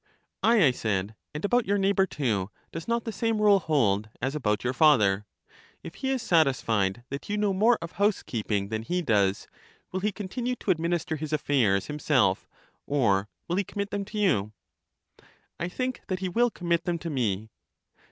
Aye, I said; and about your neighbor, too, does not the same rule hold as about your father? If he is satisfied that you know more of housekeeping than he does, will he continue to administer his affairs him self, or will he commit them to you? I think that he will commit them to me.